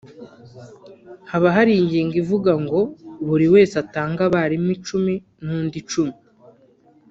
haba hari ingingo ivuga ngo buri wese atanga abarimu icumi n’undi icumi